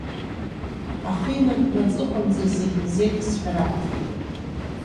Ахы инаркны аҵыхәанӡа, зегь лзеиҭасҳәар акәхеит.